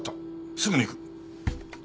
すぐに行く。